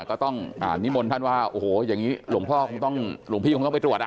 ก็ต้องนิมนต์ท่านว่าโอ้โหอย่างนี้หลวงพ่อคงต้องหลวงพี่คงต้องไปตรวจ